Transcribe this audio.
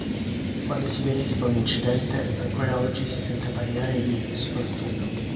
Quando si verifica un incidente, ancora oggi si sente parlare di "sfortuna".